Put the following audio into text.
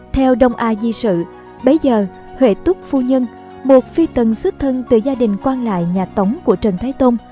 theo đông a di sự bấy giờ huệ túc phu nhân một phi tần xuất thân từ gia đình quan lại nhà tống của trần thái tông